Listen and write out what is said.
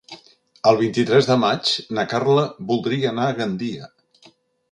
El vint-i-tres de maig na Carla voldria anar a Gandia.